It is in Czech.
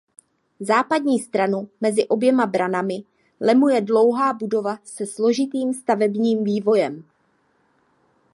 Západní stranu mezi oběma branami lemuje dlouhá budova se složitým stavebním vývojem.